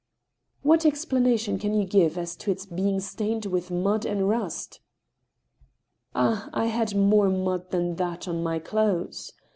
" What explanation can you give as to its being stained with mud and rust ?"" Ah ! I had more mud than that on my clothes.